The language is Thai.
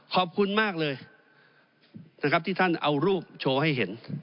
ขอบคุณมากเลยนะครับที่ท่านเอารูปโชว์ให้เห็น